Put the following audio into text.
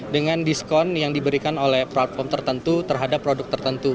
dengan diskon yang diberikan oleh platform tertentu terhadap produk tertentu